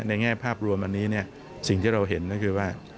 แง่ภาพรวมอันนี้เนี่ยสิ่งที่เราเห็นก็คือว่า